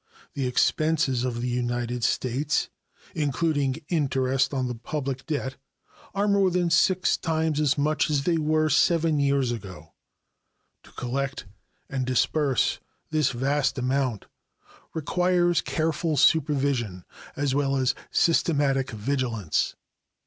The expenses of the United States, including interest on the public debt, are more than six times as much as they were seven years ago. To collect and disburse this vast amount requires careful supervision as well as systematic vigilance.